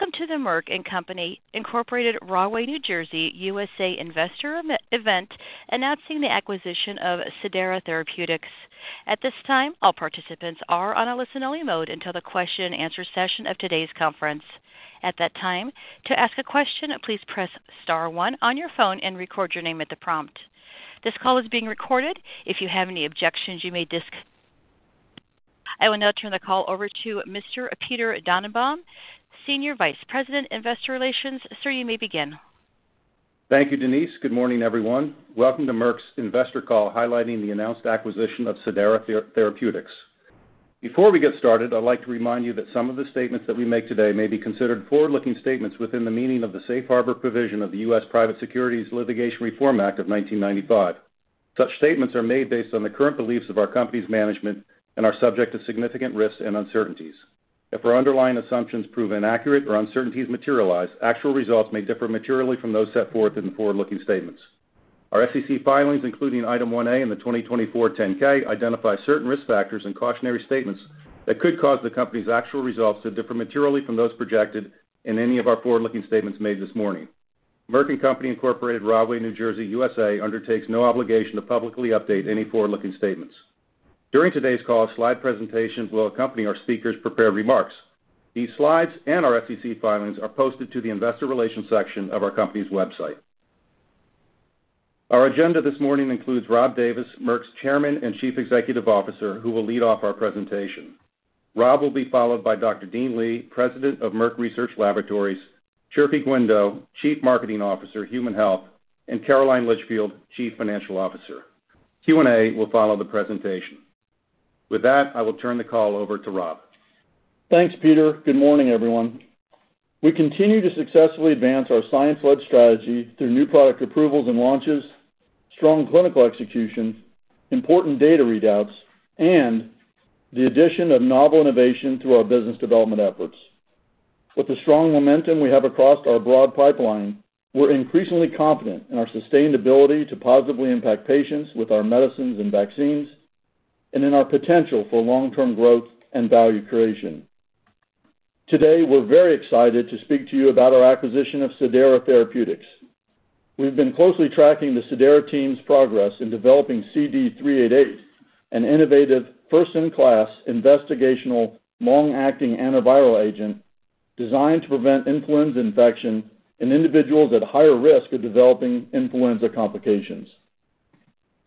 Welcome to the Merck & Co., Rahway, New Jersey, USA investor event announcing the acquisition of Cidara Therapeutics. At this time, all participants are on a listen-only mode until the question-and-answer session of today's conference. At that time, to ask a question, please press star one on your phone and record your name at the prompt. This call is being recorded. If you have any objections, you may dis— I will now turn the call over to Mr. Peter Dannenbaum, Senior Vice President, Investor Relations. Sir, you may begin. Thank you, Denise. Good morning, everyone. Welcome to Merck's investor call highlighting the announced acquisition of Cidara Therapeutics. Before we get started, I'd like to remind you that some of the statements that we make today may be considered forward-looking statements within the meaning of the safe harbor provision of the U.S. Private Securities Litigation Reform Act of 1995. Such statements are made based on the current beliefs of our company's management and are subject to significant risks and uncertainties. If our underlying assumptions prove inaccurate or uncertainties materialize, actual results may differ materially from those set forth in the forward-looking statements. Our SEC filings, including item 1A in the 2024 10-K, identify certain risk factors and cautionary statements that could cause the company's actual results to differ materially from those projected in any of our forward-looking statements made this morning. Merck & Co., Rahway, New Jersey, USA, undertakes no obligation to publicly update any forward-looking statements. During today's call, slide presentations will accompany our speakers' prepared remarks. These slides and our SEC filings are posted to the investor relations section of our company's website. Our agenda this morning includes Rob Davis, Merck's Chairman and Chief Executive Officer, who will lead off our presentation. Rob will be followed by Dr. Dean Li, President of Merck Research Laboratories, Chirfi Guindo, Chief Marketing Officer, Human Health, and Caroline Litchfield, Chief Financial Officer. Q&A will follow the presentation. With that, I will turn the call over to Rob. Thanks, Peter. Good morning, everyone. We continue to successfully advance our science-led strategy through new product approvals and launches, strong clinical execution, important data readouts, and the addition of novel innovation through our business development efforts. With the strong momentum we have across our broad pipeline, we're increasingly confident in our sustainability to positively impact patients with our medicines and vaccines, and in our potential for long-term growth and value creation. Today, we're very excited to speak to you about our acquisition of Cidara Therapeutics. We've been closely tracking the Cidara team's progress in developing CD388, an innovative, first-in-class investigational long-acting antiviral agent designed to prevent influenza infection in individuals at higher risk of developing influenza complications.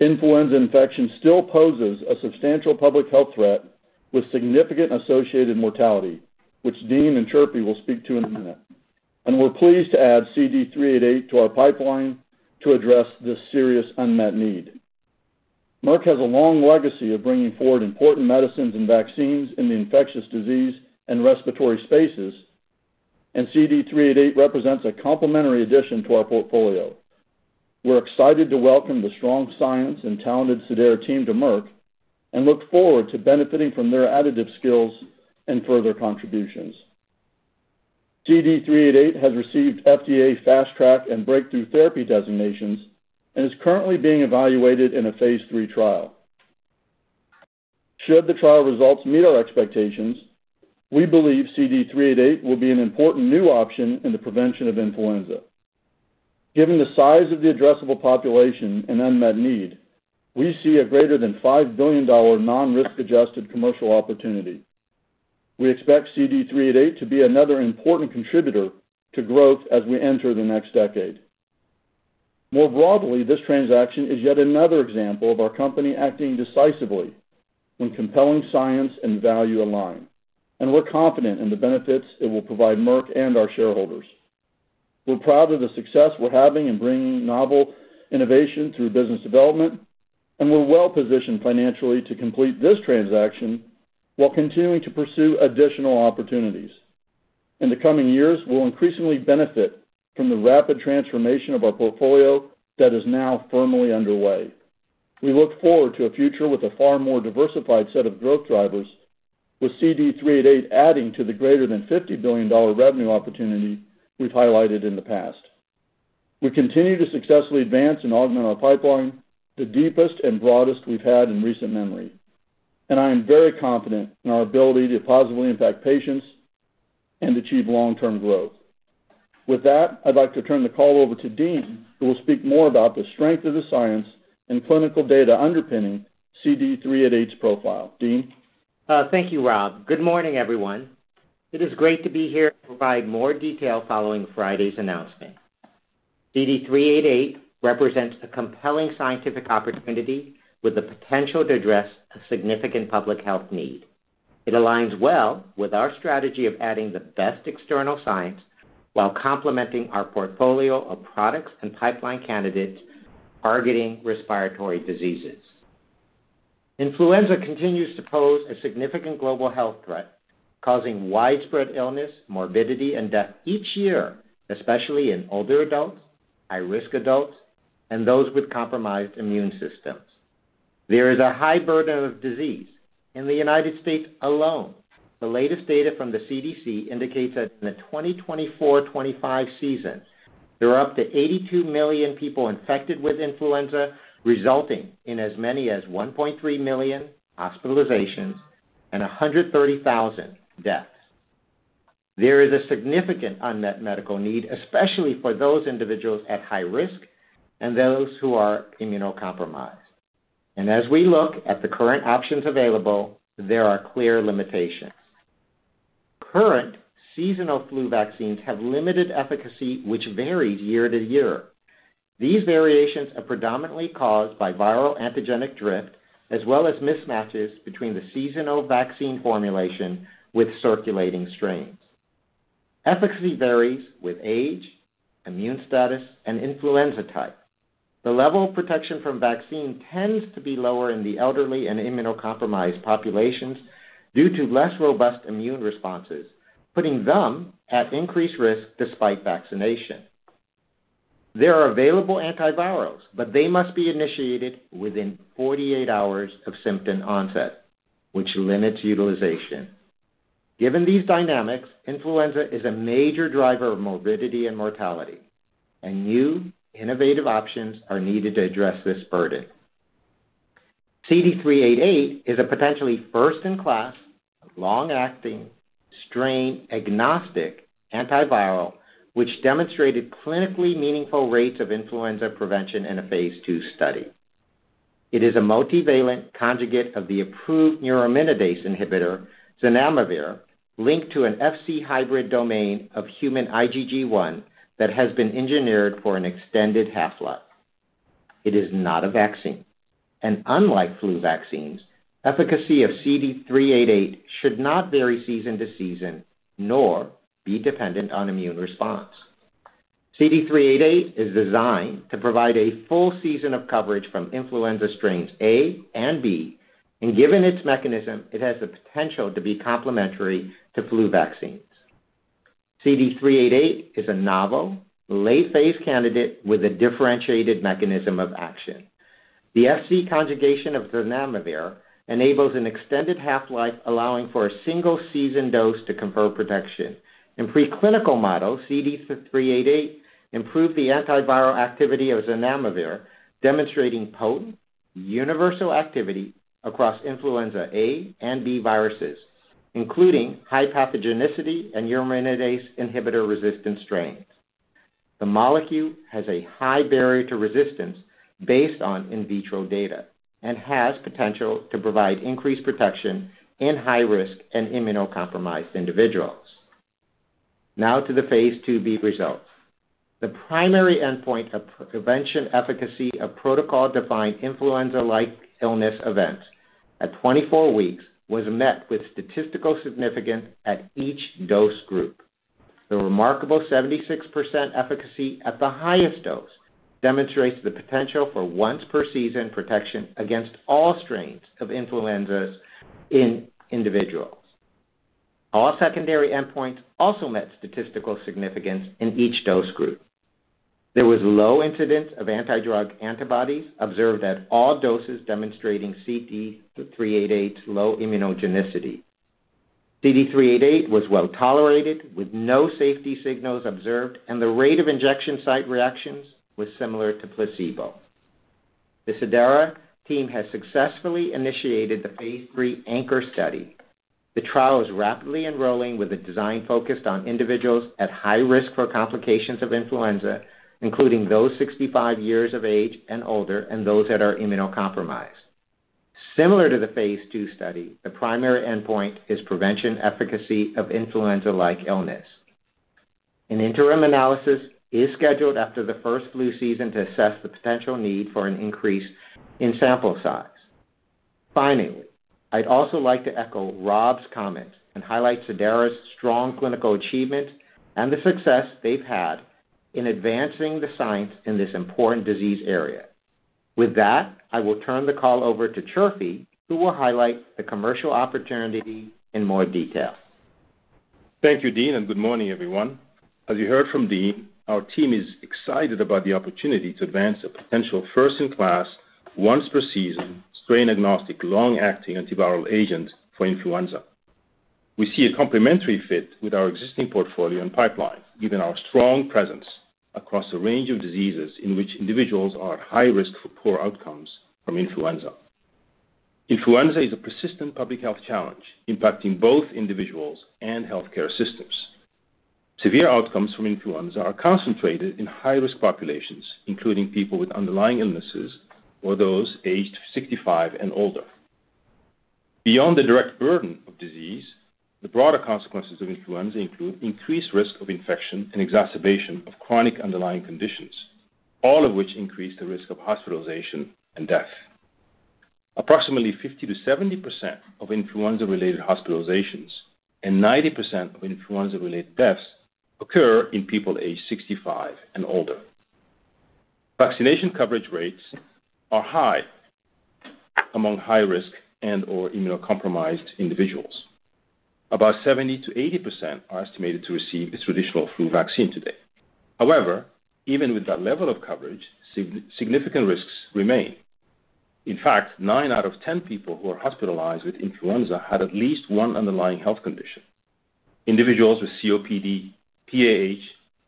Influenza infection still poses a substantial public health threat with significant associated mortality, which Dean and Dean Li will speak to in a minute. We're pleased to add CD388 to our pipeline to address this serious unmet need. Merck has a long legacy of bringing forward important medicines and vaccines in the infectious disease and respiratory spaces, and CD388 represents a complementary addition to our portfolio. We're excited to welcome the strong science and talented Cidara team to Merck and look forward to benefiting from their additive skills and further contributions. CD388 has received FDA fast-track and breakthrough therapy designations and is currently being evaluated in a phase III trial. Should the trial results meet our expectations, we believe CD388 will be an important new option in the prevention of influenza. Given the size of the addressable population and unmet need, we see a greater than $5 billion non-risk-adjusted commercial opportunity. We expect CD388 to be another important contributor to growth as we enter the next decade. More broadly, this transaction is yet another example of our company acting decisively when compelling science and value align, and we're confident in the benefits it will provide Merck and our shareholders. We're proud of the success we're having in bringing novel innovation through business development, and we're well-positioned financially to complete this transaction while continuing to pursue additional opportunities. In the coming years, we'll increasingly benefit from the rapid transformation of our portfolio that is now firmly underway. We look forward to a future with a far more diversified set of growth drivers, with CD388 adding to the greater than $50 billion revenue opportunity we've highlighted in the past. We continue to successfully advance and augment our pipeline, the deepest and broadest we've had in recent memory, and I am very confident in our ability to positively impact patients and achieve long-term growth. With that, I'd like to turn the call over to Dean, who will speak more about the strength of the science and clinical data underpinning CD388's profile. Dean? Thank you, Rob. Good morning, everyone. It is great to be here to provide more detail following Friday's announcement. CD388 represents a compelling scientific opportunity with the potential to address a significant public health need. It aligns well with our strategy of adding the best external science while complementing our portfolio of products and pipeline candidates targeting respiratory diseases. Influenza continues to pose a significant global health threat, causing widespread illness, morbidity, and death each year, especially in older adults, high-risk adults, and those with compromised immune systems. There is a high burden of disease in the United States alone. The latest data from the CDC indicates that in the 2024-2025 season, there were up to 82 million people infected with influenza, resulting in as many as 1.3 million hospitalizations and 130,000 deaths. There is a significant unmet medical need, especially for those individuals at high risk and those who are immunocompromised. As we look at the current options available, there are clear limitations. Current seasonal flu vaccines have limited efficacy, which varies year-to-year. These variations are predominantly caused by viral antigenic drift, as well as mismatches between the seasonal vaccine formulation with circulating strains. Efficacy varies with age, immune status, and influenza type. The level of protection from vaccine tends to be lower in the elderly and immunocompromised populations due to less robust immune responses, putting them at increased risk despite vaccination. There are available antivirals, but they must be initiated within 48 hours of symptom onset, which limits utilization. Given these dynamics, influenza is a major driver of morbidity and mortality, and new innovative options are needed to address this burden. CD388 is a potentially first-in-class, long-acting, strain-agnostic antiviral, which demonstrated clinically meaningful rates of influenza prevention in a phase II study. It is a multivalent conjugate of the approved neuraminidase inhibitor, Zanamivir, linked to an FC hybrid domain of human IgG1 that has been engineered for an extended half-life. It is not a vaccine. Unlike flu vaccines, efficacy of CD388 should not vary season to season nor be dependent on immune response. CD388 is designed to provide a full season of coverage from influenza strains A and B, and given its mechanism, it has the potential to be complementary to flu vaccines. CD388 is a novel, late-phase candidate with a differentiated mechanism of action. The FC conjugation of Zanamivir enables an extended half-life, allowing for a single-season dose to confer protection. In preclinical models, CD388 improved the antiviral activity of Zanamivir, demonstrating potent universal activity across influenza A and B viruses, including high pathogenicity and neuraminidase inhibitor-resistant strains. The molecule has a high barrier to resistance based on in vitro data and has potential to provide increased protection in high-risk and immunocompromised individuals. Now to the phase II b results. The primary endpoint of prevention efficacy of protocol-defined influenza-like illness events at 24 weeks was met with statistical significance at each dose group. The remarkable 76% efficacy at the highest dose demonstrates the potential for once-per-season protection against all strains of influenza in individuals. All secondary endpoints also met statistical significance in each dose group. There was low incidence of antidrug antibodies observed at all doses demonstrating CD388's low immunogenicity. CD388 was well tolerated with no safety signals observed, and the rate of injection site reactions was similar to placebo. The Cidara team has successfully initiated the phase III anchor study. The trial is rapidly enrolling with a design focused on individuals at high risk for complications of influenza, including those 65 years of age and older and those that are immunocompromised. Similar to the phase II study, the primary endpoint is prevention efficacy of influenza-like illness. An interim analysis is scheduled after the first flu season to assess the potential need for an increase in sample size. Finally, I'd also like to echo Rob's comments and highlight Cidara's strong clinical achievements and the success they've had in advancing the science in this important disease area. With that, I will turn the call over to Chirfi, who will highlight the commercial opportunity in more detail. Thank you, Dean, and good morning, everyone. As you heard from Dean, our team is excited about the opportunity to advance a potential first-in-class, once-per-season, strain-agnostic, long-acting antiviral agent for influenza. We see a complementary fit with our existing portfolio and pipeline, given our strong presence across a range of diseases in which individuals are at high risk for poor outcomes from influenza. Influenza is a persistent public health challenge impacting both individuals and healthcare systems. Severe outcomes from influenza are concentrated in high-risk populations, including people with underlying illnesses or those aged 65 and older. Beyond the direct burden of disease, the broader consequences of influenza include increased risk of infection and exacerbation of chronic underlying conditions, all of which increase the risk of hospitalization and death. Approximately 50%-70% of influenza-related hospitalizations and 90% of influenza-related deaths occur in people aged 65 and older. Vaccination coverage rates are high among high-risk and/or immunocompromised individuals. About 70%-80% are estimated to receive a traditional flu vaccine today. However, even with that level of coverage, significant risks remain. In fact, 9 out of 10 people who are hospitalized with influenza had at least one underlying health condition. Individuals with COPD, PAH,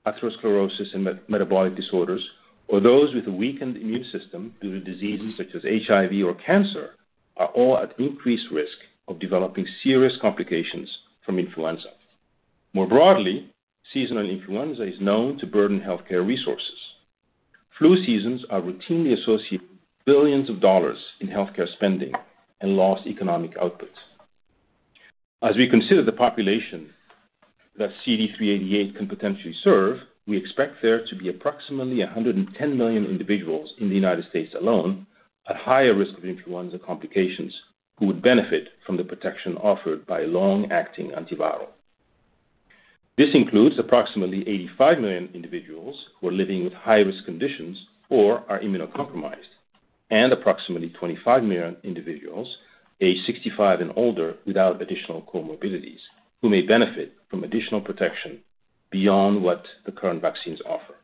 atherosclerosis, and metabolic disorders, or those with a weakened immune system due to diseases such as HIV or cancer are all at increased risk of developing serious complications from influenza. More broadly, seasonal influenza is known to burden healthcare resources. Flu seasons are routinely associated with billions of dollars in healthcare spending and lost economic output. As we consider the population that CD388 can potentially serve, we expect there to be approximately 110 million individuals in the United States alone at higher risk of influenza complications who would benefit from the protection offered by a long-acting antiviral. This includes approximately 85 million individuals who are living with high-risk conditions or are immunocompromised, and approximately 25 million individuals, aged 65 and older without additional comorbidities, who may benefit from additional protection beyond what the current vaccines offer.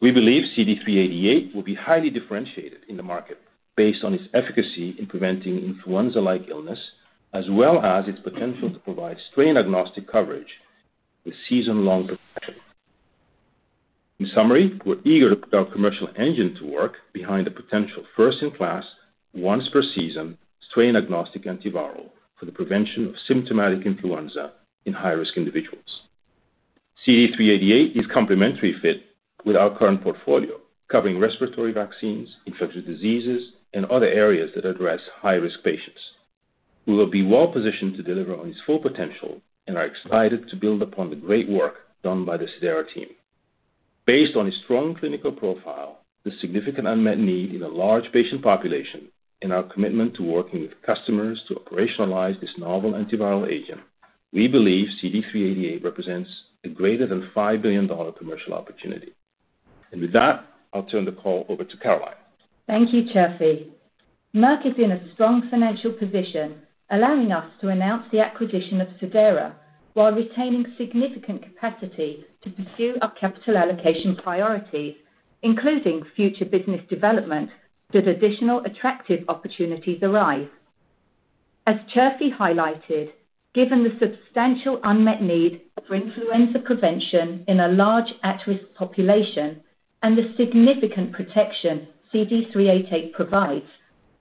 We believe CD388 will be highly differentiated in the market based on its efficacy in preventing influenza-like illness, as well as its potential to provide strain-agnostic coverage with season-long protection. In summary, we're eager to put our commercial engine to work behind a potential first-in-class, once-per-season, strain-agnostic antiviral for the prevention of symptomatic influenza in high-risk individuals. CD388 is a complementary fit with our current portfolio, covering respiratory vaccines, infectious diseases, and other areas that address high-risk patients. We will be well-positioned to deliver on its full potential and are excited to build upon the great work done by the Cidara team. Based on its strong clinical profile, the significant unmet need in a large patient population, and our commitment to working with customers to operationalize this novel antiviral agent, we believe CD388 represents a greater than $5 billion commercial opportunity. With that, I'll turn the call over to Caroline. Thank you, Chirfi. Merck is in a strong financial position, allowing us to announce the acquisition of Cidara while retaining significant capacity to pursue our capital allocation priorities, including future business development should additional attractive opportunities arise. As Chirfi highlighted, given the substantial unmet need for influenza prevention in a large at-risk population and the significant protection CD388 provides,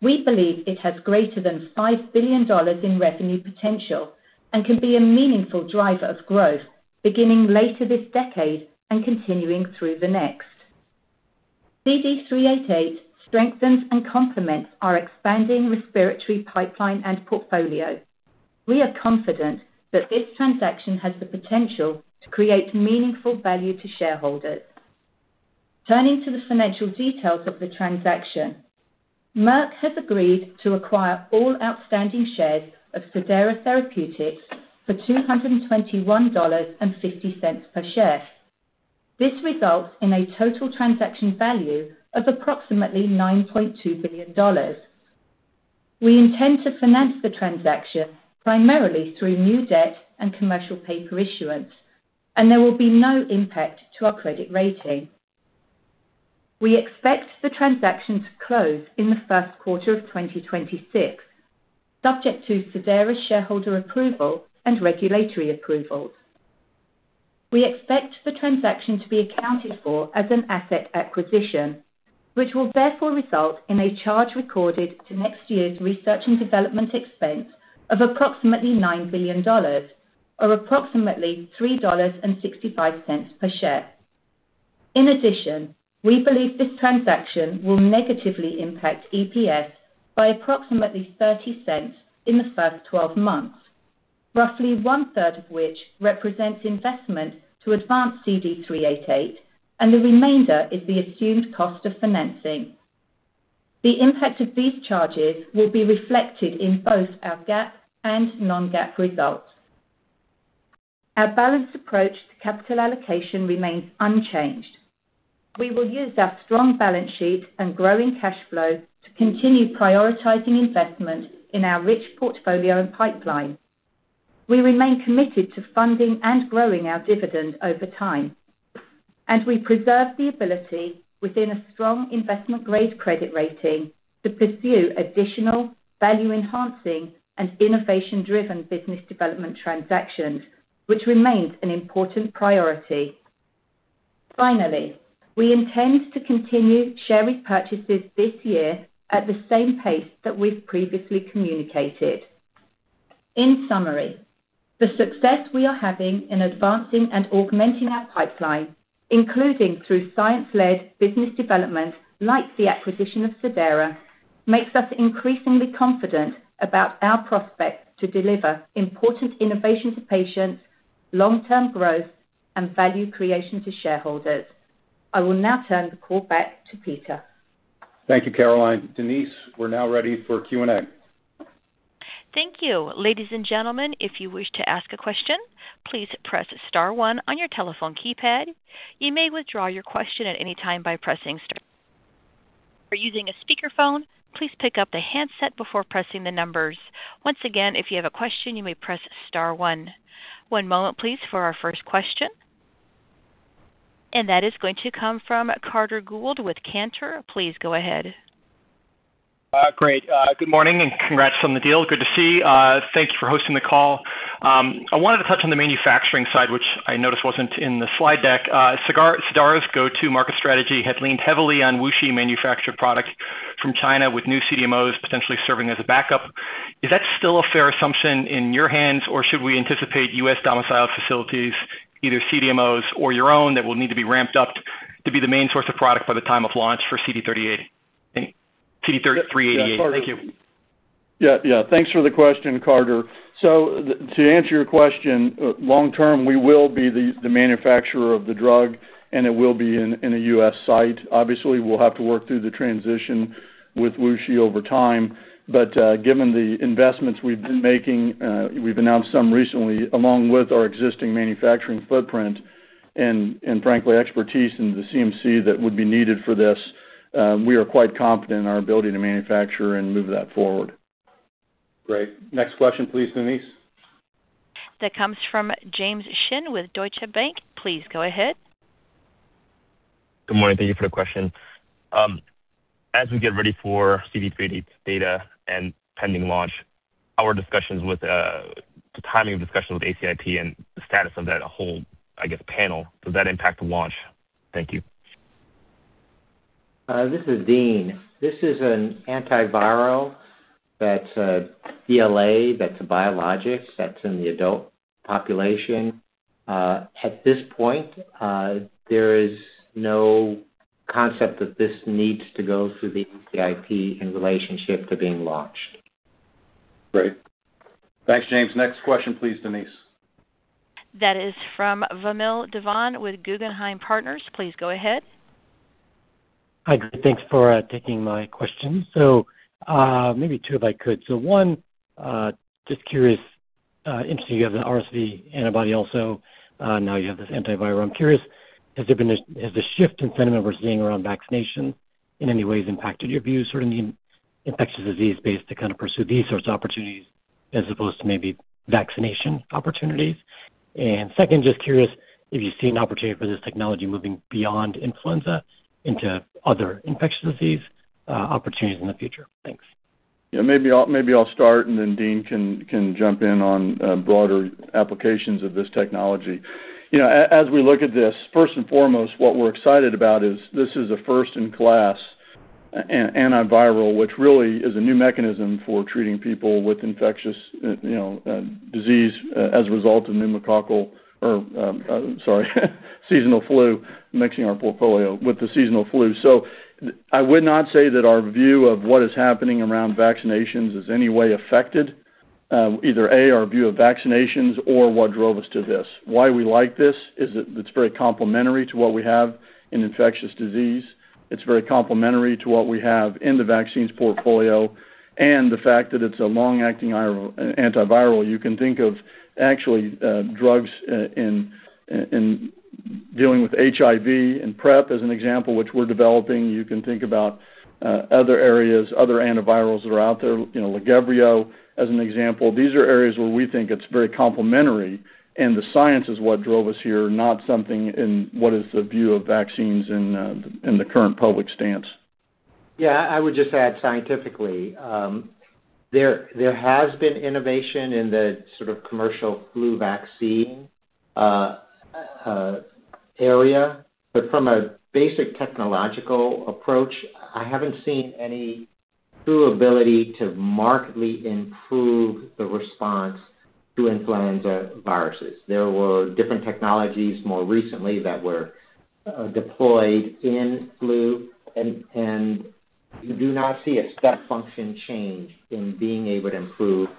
we believe it has greater than $5 billion in revenue potential and can be a meaningful driver of growth beginning later this decade and continuing through the next. CD388 strengthens and complements our expanding respiratory pipeline and portfolio. We are confident that this transaction has the potential to create meaningful value to shareholders. Turning to the financial details of the transaction, Merck has agreed to acquire all outstanding shares of Cidara Therapeutics for $21.50 per share. This results in a total transaction value of approximately $920 million. We intend to finance the transaction primarily through new debt and commercial paper issuance, and there will be no impact to our credit rating. We expect the transaction to close in the first quarter of 2026, subject to Cidara shareholder approval and regulatory approvals. We expect the transaction to be accounted for as an asset acquisition, which will therefore result in a charge recorded to next year's research and development expense of approximately $9 billion, or approximately $3.65 per share. In addition, we believe this transaction will negatively impact EPS by approximately $0.30 in the first 12 months, roughly one-third of which represents investment to advance CD388, and the remainder is the assumed cost of financing. The impact of these charges will be reflected in both our GAAP and non-GAAP results. Our balanced approach to capital allocation remains unchanged. We will use our strong balance sheet and growing cash flow to continue prioritizing investment in our rich portfolio and pipeline. We remain committed to funding and growing our dividend over time, and we preserve the ability within a strong investment-grade credit rating to pursue additional value-enhancing and innovation-driven business development transactions, which remains an important priority. Finally, we intend to continue share repurchases this year at the same pace that we've previously communicated. In summary, the success we are having in advancing and augmenting our pipeline, including through science-led business development like the acquisition of Cidara Therapeutics, makes us increasingly confident about our prospect to deliver important innovation to patients, long-term growth, and value creation to shareholders. I will now turn the call back to Peter. Thank you, Caroline. Denise, we're now ready for Q&A. Thank you. Ladies and gentlemen, if you wish to ask a question, please press star one on your telephone keypad. You may withdraw your question at any time by pressing star. If you're using a speakerphone, please pick up the handset before pressing the numbers. Once again, if you have a question, you may press star one. One moment, please, for our first question. That is going to come from Carter Gould with Cantor Fitzgerald. Please go ahead. Great. Good morning and congrats on the deal. Good to see you. Thank you for hosting the call. I wanted to touch on the manufacturing side, which I noticed was not in the slide deck. Cidara's go-to market strategy had leaned heavily on WuXi-manufactured products from China with new CDMOs potentially serving as a backup. Is that still a fair assumption in your hands, or should we anticipate U.S. domiciled facilities, either CDMOs or your own, that will need to be ramped up to be the main source of product by the time of launch for CD388? Thank you. Yeah, yeah. Thanks for the question, Carter. To answer your question, long-term, we will be the manufacturer of the drug, and it will be in a U.S. site. Obviously, we'll have to work through the transition with WuXi over time. Given the investments we've been making, we've announced some recently, along with our existing manufacturing footprint and, frankly, expertise in the CMC that would be needed for this, we are quite confident in our ability to manufacture and move that forward. Great. Next question, please, Denise. That comes from James Shin with Deutsche Bank. Please go ahead. Good morning. Thank you for the question. As we get ready for CD388 data and pending launch, our discussions with the timing of discussions with ACIP and the status of that whole, I guess, panel, does that impact the launch? Thank you. This is Dean. This is an antiviral that's a DLA that's a biologic that's in the adult population. At this point, there is no concept that this needs to go through the ACIP in relationship to being launched. Great. Thanks, James. Next question, please, Denise. That is from Vamil Divan with Guggenheim Partners. Please go ahead. Hi, James. Thanks for taking my question. Maybe two if I could. One, just curious, interestingly, you have the RSV antibody also. Now you have this antiviral. I'm curious, has the shift in sentiment we're seeing around vaccination in any way impacted your views sort of the infectious disease space to kind of pursue these sorts of opportunities as opposed to maybe vaccination opportunities? Second, just curious if you've seen opportunity for this technology moving beyond influenza into other infectious disease opportunities in the future. Thanks. Yeah, maybe I'll start, and then Dean can jump in on broader applications of this technology. As we look at this, first and foremost, what we're excited about is this is a first-in-class antiviral, which really is a new mechanism for treating people with infectious disease as a result of pneumococcal or, sorry, seasonal flu, mixing our portfolio with the seasonal flu. I would not say that our view of what is happening around vaccinations is in any way affected, either A, our view of vaccinations or what drove us to this. Why we like this is that it's very complementary to what we have in infectious disease. It's very complementary to what we have in the vaccines portfolio. The fact that it's a long-acting antiviral, you can think of actually drugs in dealing with HIV and PrEP as an example, which we're developing. You can think about other areas, other antivirals that are out there, Lagevrio as an example. These are areas where we think it's very complementary, and the science is what drove us here, not something in what is the view of vaccines in the current public stance. Yeah, I would just add scientifically, there has been innovation in the sort of commercial flu vaccine area, but from a basic technological approach, I haven't seen any true ability to markedly improve the response to influenza viruses. There were different technologies more recently that were deployed in flu, and you do not see a step function change in being able to improve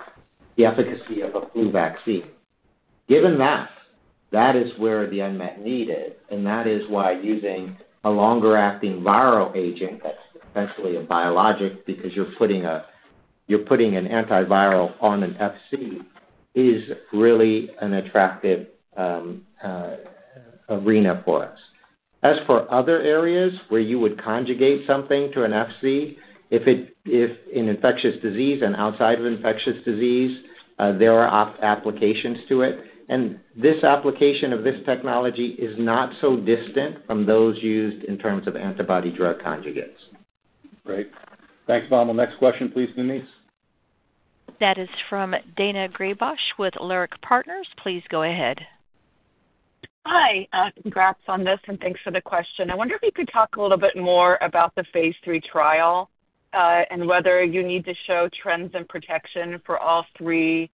the efficacy of a flu vaccine. Given that, that is where the unmet need is, and that is why using a longer-acting viral agent that's essentially a biologic because you're putting an antiviral on an FC is really an attractive arena for us. As for other areas where you would conjugate something to an FC, if in infectious disease and outside of infectious disease, there are applications to it. This application of this technology is not so distant from those used in terms of antibody drug conjugates. Great. Thanks, Vamil. Next question, please, Denise. That is from Daina Graybosch with Leerink Partners. Please go ahead. Hi. Congrats on this, and thanks for the question. I wonder if you could talk a little bit more about the phase III trial and whether you need to show trends in protection for all three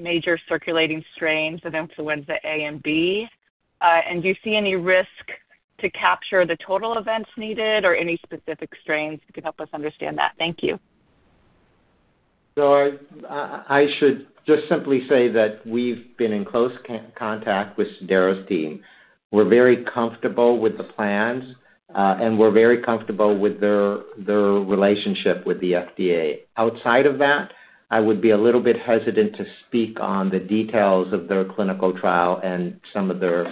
major circulating strains of influenza A and B. Do you see any risk to capture the total events needed or any specific strains? You can help us understand that. Thank you. I should just simply say that we've been in close contact with Cidara's team. We're very comfortable with the plans, and we're very comfortable with their relationship with the FDA. Outside of that, I would be a little bit hesitant to speak on the details of their clinical trial and some of the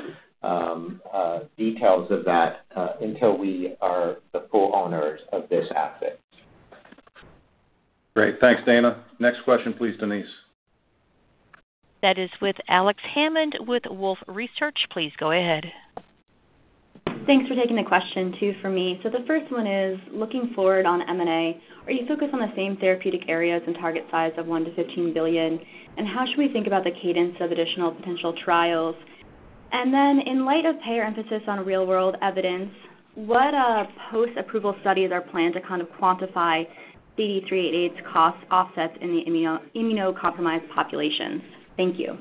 details of that until we are the full owners of this asset. Great. Thanks, Daina. Next question, please, Denise. That is with Alex Hammond with Wolfe Research. Please go ahead. Thanks for taking the question too for me. The first one is, looking forward on M&A, are you focused on the same therapeutic areas and target size of $1 billion-$15 billion? How should we think about the cadence of additional potential trials? In light of payer emphasis on real-world evidence, what post-approval studies are planned to kind of quantify CD388's cost offsets in the immunocompromised populations? Thank you.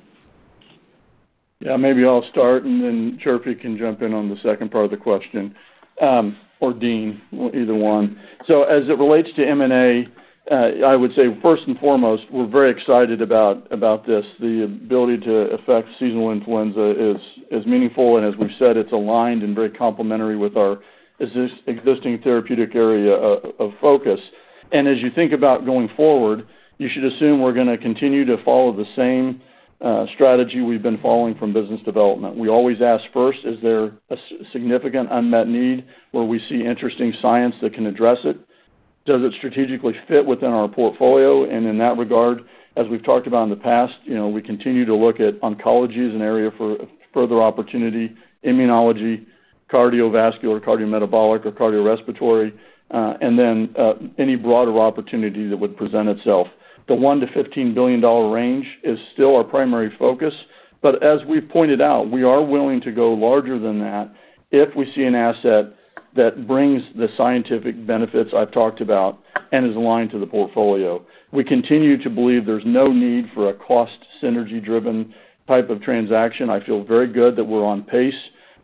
Yeah, maybe I'll start, and then Chirfi can jump in on the second part of the question, or Dean, either one. As it relates to M&A, I would say first and foremost, we're very excited about this. The ability to affect seasonal influenza is meaningful, and as we've said, it's aligned and very complementary with our existing therapeutic area of focus. As you think about going forward, you should assume we're going to continue to follow the same strategy we've been following from business development. We always ask first, is there a significant unmet need where we see interesting science that can address it? Does it strategically fit within our portfolio? In that regard, as we've talked about in the past, we continue to look at oncology as an area for further opportunity, immunology, cardiovascular, cardiometabolic, or cardiorespiratory, and then any broader opportunity that would present itself. The $1 billion-$15 billion range is still our primary focus, but as we've pointed out, we are willing to go larger than that if we see an asset that brings the scientific benefits I've talked about and is aligned to the portfolio. We continue to believe there's no need for a cost synergy-driven type of transaction. I feel very good that we're on pace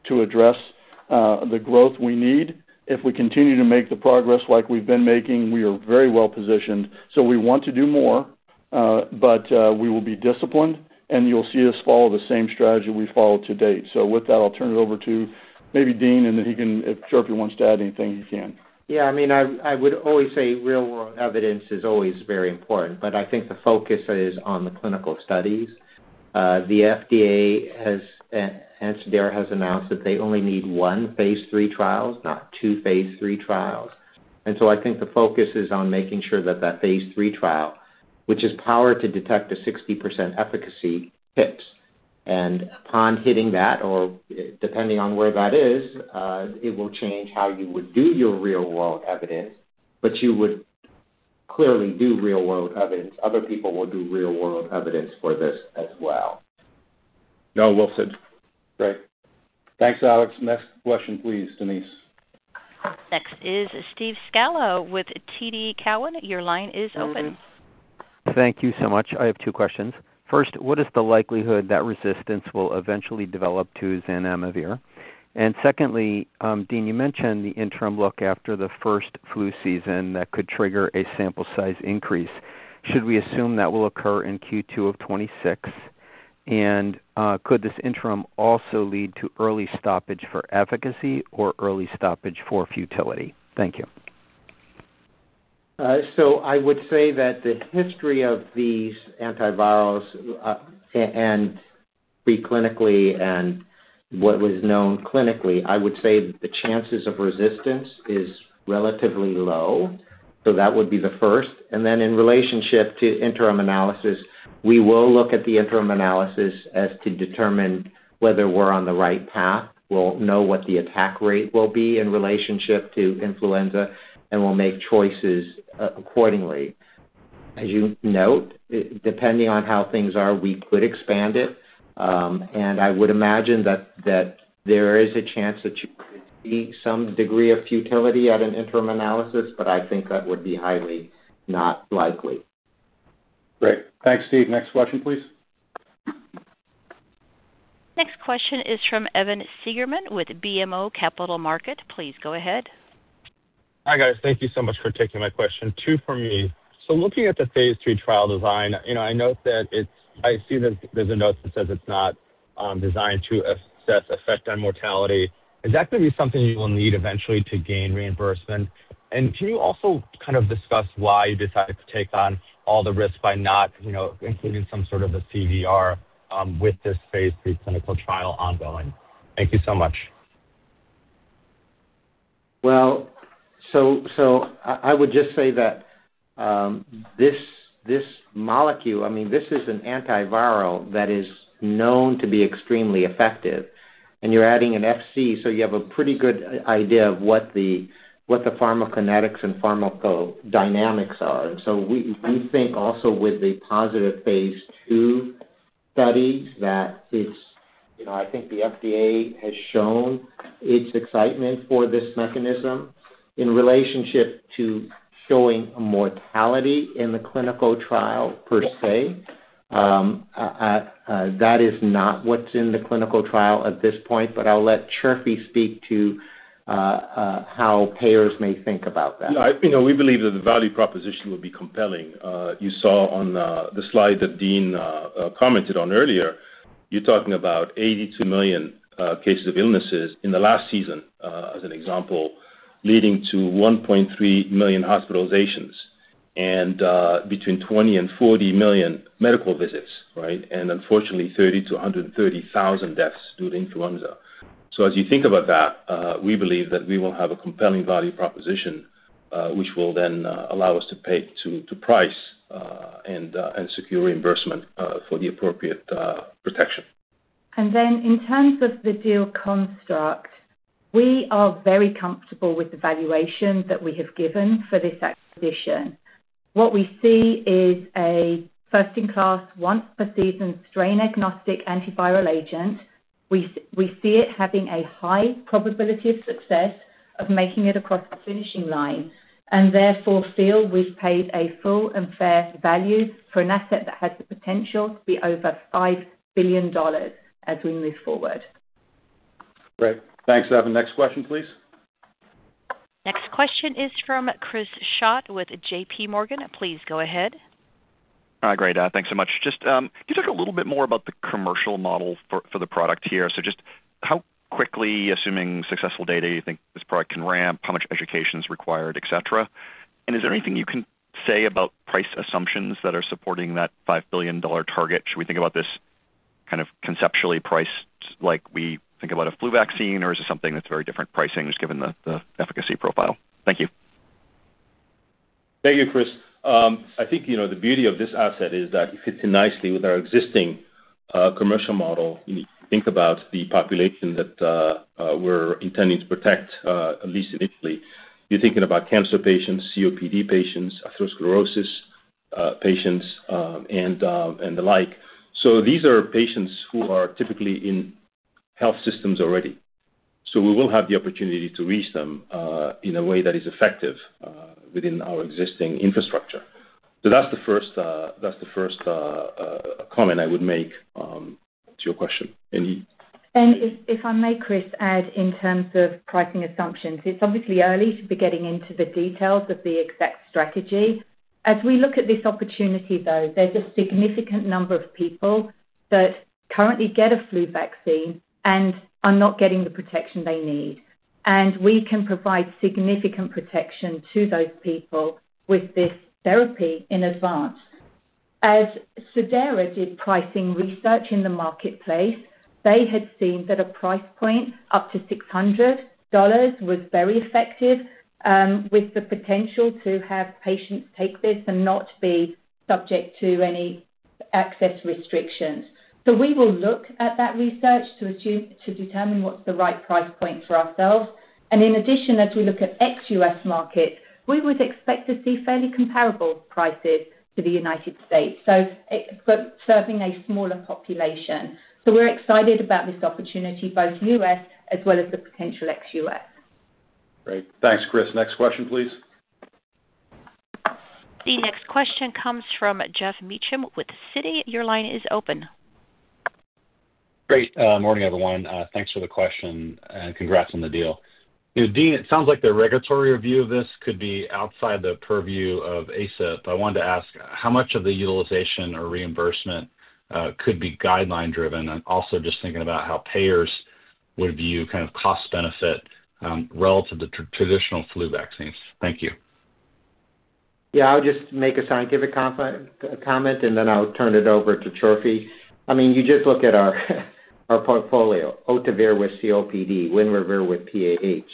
to address the growth we need. If we continue to make the progress like we've been making, we are very well positioned. We want to do more, but we will be disciplined, and you'll see us follow the same strategy we've followed to date. With that, I'll turn it over to maybe Dean, and then he can, if Chirfi wants to add anything, he can. Yeah, I mean, I would always say real-world evidence is always very important, but I think the focus is on the clinical studies. The FDA has announced that they only need one phase III trial, not two phase III trials. I think the focus is on making sure that that phase III trial, which is powered to detect a 60% efficacy, hits. Upon hitting that, or depending on where that is, it will change how you would do your real-world evidence, but you would clearly do real-world evidence. Other people will do real-world evidence for this as well. No, well said. Great. Thanks, Alex. Next question, please, Denise. Next is Steve Scala with TD Cowen. Your line is open. Thank you so much. I have two questions. First, what is the likelihood that resistance will eventually develop to Zanamivir? Secondly, Dean, you mentioned the interim look after the first flu season that could trigger a sample size increase. Should we assume that will occur in Q2 of 2026? Could this interim also lead to early stoppage for efficacy or early stoppage for futility? Thank you. I would say that the history of these antivirals and preclinically and what was known clinically, I would say the chances of resistance is relatively low. That would be the first. In relationship to interim analysis, we will look at the interim analysis as to determine whether we're on the right path. We'll know what the attack rate will be in relationship to influenza, and we'll make choices accordingly. As you note, depending on how things are, we could expand it. I would imagine that there is a chance that you could see some degree of futility at an interim analysis, but I think that would be highly not likely. Great. Thanks, Steve. Next question, please. Next question is from Evan Seigerman with BMO Capital Markets. Please go ahead. Hi, guys. Thank you so much for taking my question. Two for me. Looking at the phase III trial design, I note that I see there's a note that says it's not designed to assess effect on mortality. Is that going to be something you will need eventually to gain reimbursement? Can you also kind of discuss why you decided to take on all the risk by not including some sort of a CVR with this phase III clinical trial ongoing? Thank you so much. I would just say that this molecule, I mean, this is an antiviral that is known to be extremely effective. And you're adding an FC, so you have a pretty good idea of what the pharmacokinetics and pharmacodynamics are. We think also with the positive phase II studies that it's, I think the FDA has shown its excitement for this mechanism in relationship to showing mortality in the clinical trial per se. That is not what's in the clinical trial at this point, but I'll let Chirfi speak to how payers may think about that. Yeah, we believe that the value proposition will be compelling. You saw on the slide that Dean commented on earlier, you're talking about 82 million cases of illnesses in the last season as an example, leading to 1.3 million hospitalizations and between 20-40 million medical visits, right? Unfortunately, 30-130,000 deaths due to influenza. As you think about that, we believe that we will have a compelling value proposition which will then allow us to price and secure reimbursement for the appropriate protection. In terms of the deal construct, we are very comfortable with the valuation that we have given for this acquisition. What we see is a first-in-class, once-per-season, strain-agnostic antiviral agent. We see it having a high probability of success of making it across the finishing line, and therefore feel we've paid a full and fair value for an asset that has the potential to be over $5 billion as we move forward. Great. Thanks, Evan. Next question, please. Next question is from Chris Schott with JP Morgan. Please go ahead. Hi, great. Thanks so much. Just can you talk a little bit more about the commercial model for the product here? Just how quickly, assuming successful data, do you think this product can ramp? How much education is required, etc.? Is there anything you can say about price assumptions that are supporting that $5 billion target? Should we think about this kind of conceptually priced like we think about a flu vaccine, or is it something that's very different pricing just given the efficacy profile? Thank you. Thank you, Chris. I think the beauty of this asset is that it fits in nicely with our existing commercial model. You think about the population that we're intending to protect, at least initially. You're thinking about cancer patients, COPD patients, atherosclerosis patients, and the like. These are patients who are typically in health systems already. We will have the opportunity to reach them in a way that is effective within our existing infrastructure. That is the first comment I would make to your question. And you. If I may, Chris, add in terms of pricing assumptions, it's obviously early to be getting into the details of the exact strategy. As we look at this opportunity, though, there's a significant number of people that currently get a flu vaccine and are not getting the protection they need. We can provide significant protection to those people with this therapy in advance. As Cidara did pricing research in the marketplace, they had seen that a price point up to $600 was very effective with the potential to have patients take this and not be subject to any access restrictions. We will look at that research to determine what's the right price point for ourselves. In addition, as we look at ex-U.S. markets, we would expect to see fairly comparable prices to the United States. It's serving a smaller population. We're excited about this opportunity, both U.S. as well as the potential ex-U.S. Great. Thanks, Chris. Next question, please. The next question comes from Geoff Meacham with Citi. Your line is open. Great. Morning, everyone. Thanks for the question, and congrats on the deal. Dean, it sounds like the regulatory review of this could be outside the purview of ACIP. I wanted to ask how much of the utilization or reimbursement could be guideline-driven? Also just thinking about how payers would view kind of cost benefit relative to traditional flu vaccines. Thank you. Yeah, I'll just make a scientific comment, and then I'll turn it over to Chirfi. I mean, you just look at our portfolio: Otavir with COPD, Winrevair with PAH,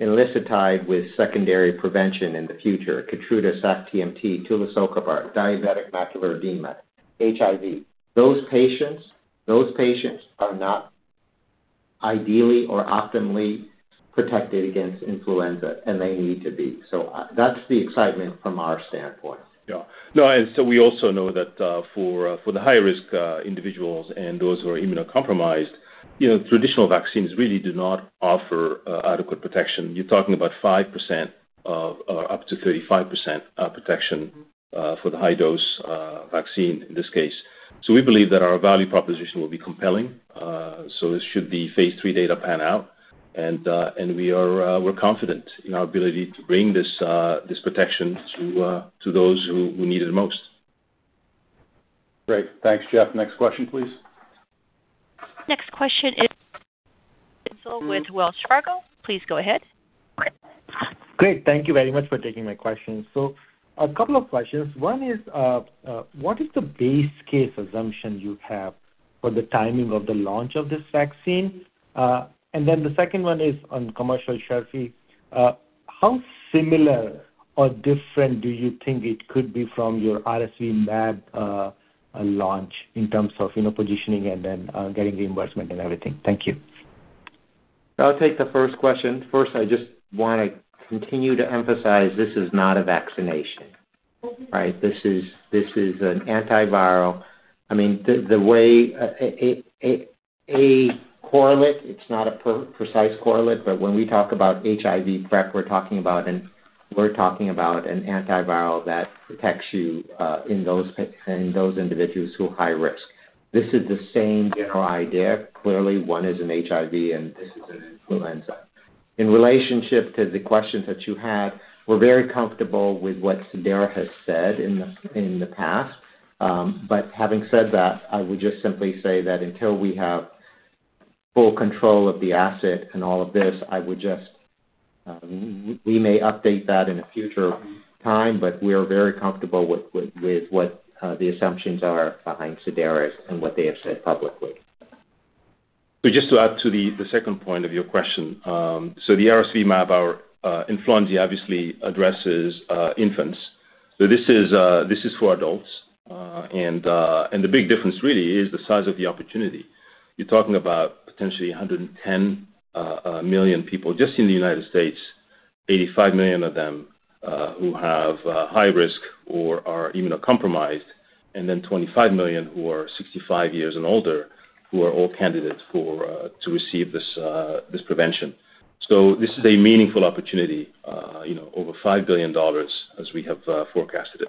Enlistatide with secondary prevention in the future, Keytruda SAC-TMT, Tulasocabar, diabetic macular edema, HIV. Those patients are not ideally or optimally protected against influenza, and they need to be. So that's the excitement from our standpoint. Yeah. No, and we also know that for the high-risk individuals and those who are immunocompromised, traditional vaccines really do not offer adequate protection. You're talking about 5% or up to 35% protection for the high-dose vaccine in this case. We believe that our value proposition will be compelling. This should be phase III data pan out, and we're confident in our ability to bring this protection to those who need it most. Great. Thanks, Geoff. Next question, please. Next question is from with Wells Fargo. Please go ahead. Great. Thank you very much for taking my questions. So a couple of questions. One is, what is the base case assumption you have for the timing of the launch of this vaccine? And then the second one is on commercial shelf. How similar or different do you think it could be from your RSV-MAB launch in terms of positioning and then getting reimbursement and everything? Thank you. I'll take the first question. First, I just want to continue to emphasize this is not a vaccination, right? This is an antiviral. I mean, the way I correlate, it's not a precise correlate, but when we talk about HIV, we're talking about an antiviral that protects you in those individuals who are high risk. This is the same general idea. Clearly, one is an HIV, and this is an influenza. In relationship to the questions that you had, we're very comfortable with what Cidara has said in the past. Having said that, I would just simply say that until we have full control of the asset and all of this, we may update that in a future time, but we are very comfortable with what the assumptions are behind Cidara's and what they have said publicly. Just to add to the second point of your question, the RSV-MAB, our influenza, obviously addresses infants. This is for adults. The big difference really is the size of the opportunity. You're talking about potentially 110 million people just in the United States, 85 million of them who have high risk or are immunocompromised, and then 25 million who are 65 years and older who are all candidates to receive this prevention. This is a meaningful opportunity, over $5 billion as we have forecasted it.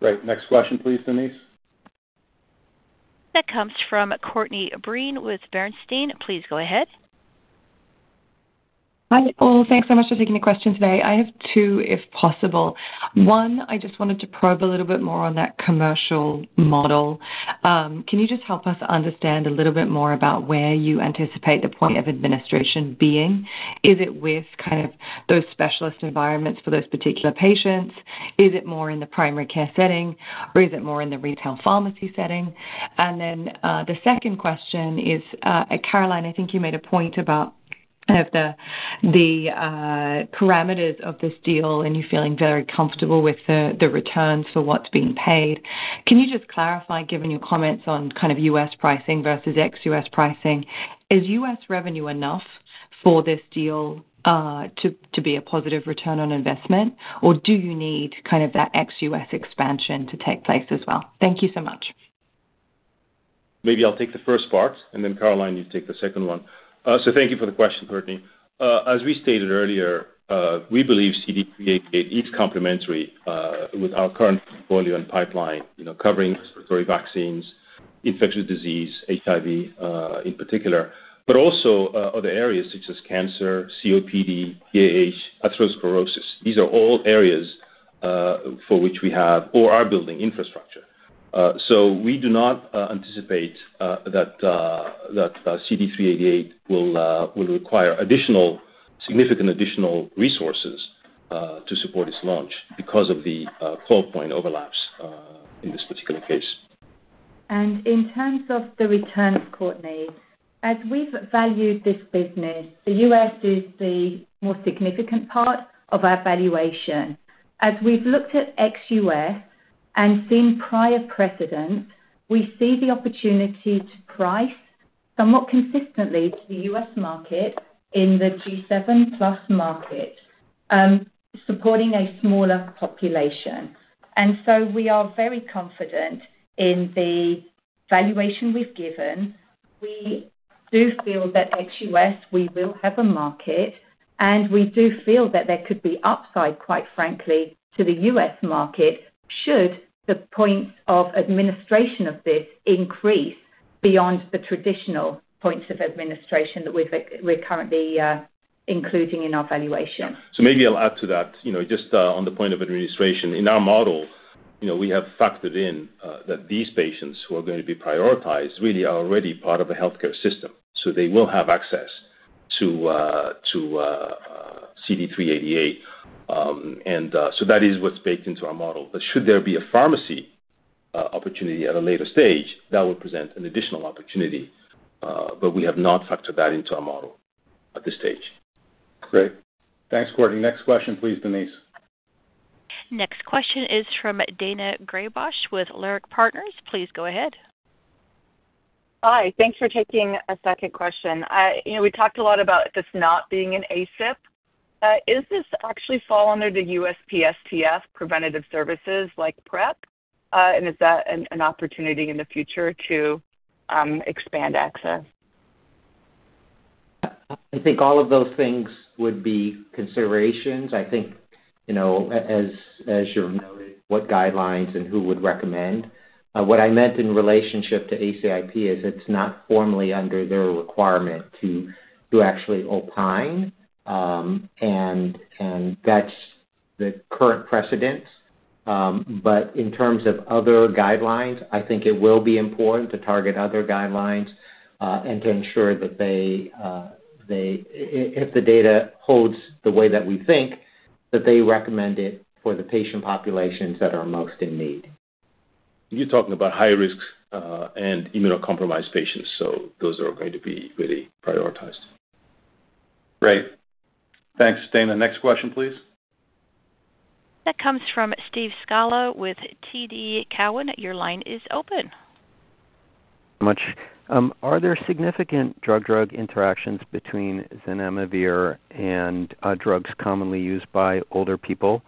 Great. Next question, please, Denise. That comes from Courtney Breen with Bernstein. Please go ahead. Hi. Thanks so much for taking the question today. I have two, if possible. One, I just wanted to probe a little bit more on that commercial model. Can you just help us understand a little bit more about where you anticipate the point of administration being? Is it with kind of those specialist environments for those particular patients? Is it more in the primary care setting, or is it more in the retail pharmacy setting? The second question is, Caroline, I think you made a point about kind of the parameters of this deal and you feeling very comfortable with the returns for what's being paid. Can you just clarify, given your comments on kind of US pricing versus ex-US pricing, is US revenue enough for this deal to be a positive return on investment, or do you need kind of that ex-US expansion to take place as well? Thank you so much. Maybe I'll take the first part, and then Caroline, you take the second one. Thank you for the question, Courtney. As we stated earlier, we believe CD388 is complementary with our current portfolio and pipeline, covering respiratory vaccines, infectious disease, HIV in particular, but also other areas such as cancer, COPD, PAH, atherosclerosis. These are all areas for which we have or are building infrastructure. We do not anticipate that CD388 will require significant additional resources to support its launch because of the core point overlaps in this particular case. In terms of the returns, Courtney, as we've valued this business, the U.S. is the more significant part of our valuation. As we've looked at ex-U.S. and seen prior precedents, we see the opportunity to price somewhat consistently to the U.S. market in the G7 plus market, supporting a smaller population. We are very confident in the valuation we've given. We do feel that ex-U.S., we will have a market, and we do feel that there could be upside, quite frankly, to the U.S. market should the points of administration of this increase beyond the traditional points of administration that we're currently including in our valuation. Maybe I'll add to that, just on the point of administration. In our model, we have factored in that these patients who are going to be prioritized really are already part of a healthcare system, so they will have access to CD388. That is what's baked into our model. Should there be a pharmacy opportunity at a later stage, that would present an additional opportunity, but we have not factored that into our model at this stage. Great. Thanks, Courtney. Next question, please, Denise. Next question is from Daina Graybosch with Leerink Partners. Please go ahead. Hi. Thanks for taking a second question. We talked a lot about this not being an ACIP. Is this actually fall under the USPSTF preventative services like PrEP? And is that an opportunity in the future to expand access? I think all of those things would be considerations. I think, as you've noted, what guidelines and who would recommend. What I meant in relationship to ACIP is it's not formally under their requirement to actually opine, and that's the current precedent. In terms of other guidelines, I think it will be important to target other guidelines and to ensure that if the data holds the way that we think, that they recommend it for the patient populations that are most in need. You're talking about high-risk and immunocompromised patients. Those are going to be really prioritized. Great. Thanks, Daina. Next question, please. That comes from Steve Scala with TD Cowen. Your line is open. Are there significant drug-drug interactions between Zanamivir and drugs commonly used by older people?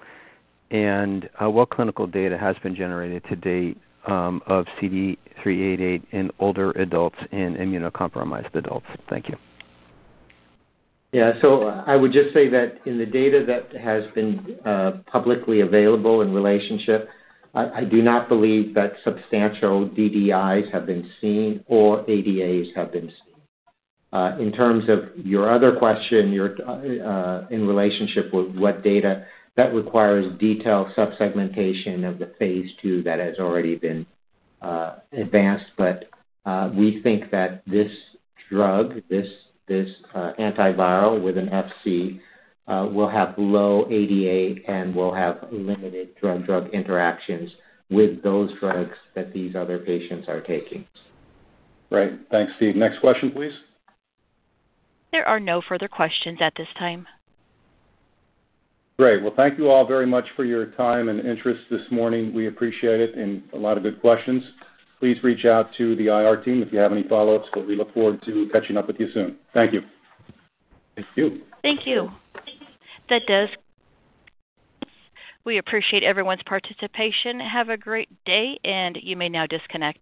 What clinical data has been generated to date of CD388 in older adults and immunocompromised adults? Thank you. Yeah. I would just say that in the data that has been publicly available in relationship, I do not believe that substantial DDIs have been seen or ADAs have been seen. In terms of your other question, in relationship with what data, that requires detailed subsegmentation of the phase II that has already been advanced. We think that this drug, this antiviral with an FC, will have low ADA and will have limited drug-drug interactions with those drugs that these other patients are taking. Great. Thanks, Steve. Next question, please. There are no further questions at this time. Great. Thank you all very much for your time and interest this morning. We appreciate it and a lot of good questions. Please reach out to the IR team if you have any follow-ups. We look forward to catching up with you soon. Thank you. Thank you. Thank you. That does it. We appreciate everyone's participation. Have a great day, and you may now disconnect.